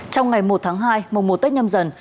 trong ngày một tháng hai mùa một tết nhâm dần